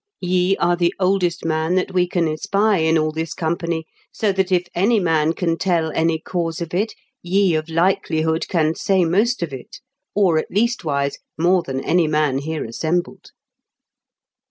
Ye are the oldest man that we can espy in all this company, so that if any man can tell any cause of it, ye of likelihood can say most of it, or, at leastwise, more than any man here assembled.'